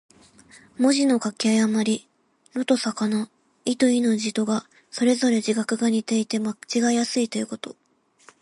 文字の書き誤り。「魯」と「魚」、「亥」と「豕」の字とが、それぞれ字画が似ていて間違えやすいということ。